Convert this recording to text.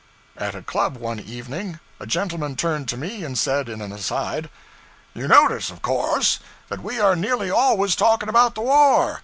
At a club one evening, a gentleman turned to me and said, in an aside 'You notice, of course, that we are nearly always talking about the war.